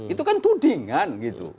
itu kan tudingan gitu